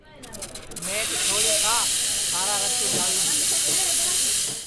مئٹ تھوڑی کھا سارا رَت جاݪی دؔیا